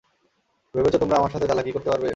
ভেবেছো তোমরা আমার সাথে চালাকি করতে পারবে?